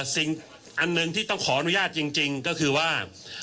สิ่งอันหนึ่งที่ต้องขออนุญาตจริงก็คือว่า